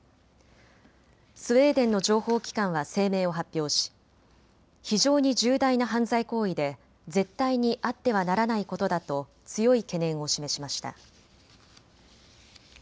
スウェーデンの情報機関は声明を発表し非常に重大な犯罪行為で絶対にあってはならないことだと強い懸念を示しました。